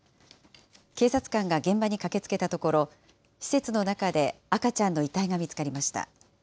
警察官が現場に駆けつけたところ、施設の中で赤ちゃんの遺体が見つかりました。